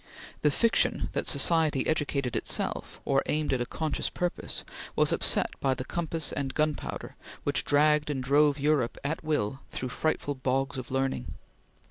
The fiction that society educated itself, or aimed at a conscious purpose, was upset by the compass and gunpowder which dragged and drove Europe at will through frightful bogs of learning.